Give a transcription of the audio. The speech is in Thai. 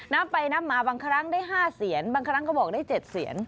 นับไปนับมาบางครั้งได้๕เสียนบางครั้งก็บอกได้๗เสียน